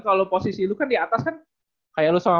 kalau posisi lu kan di atas kan kayak lu sama